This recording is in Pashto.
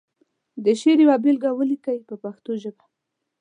د شعر یوه بېلګه ولیکي په پښتو ژبه.